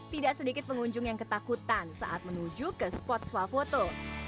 tidak sedikit pengunjung yang ketakutan saat menuju ke spot swafoto